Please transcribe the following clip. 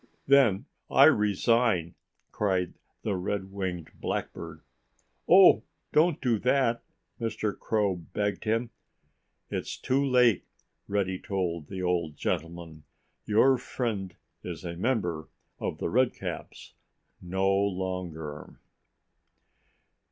"Then I resign!" cried the Red winged Blackbird. "Oh, don't do that!" Mr. Crow begged him. "It's too late," Reddy told the old gentleman. "Your friend is a member of The Redcaps no longer."